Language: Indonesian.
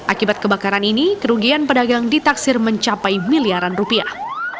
akibat kebakaran ini kerugian pedagang ditaksir mencapai miliaran rupiah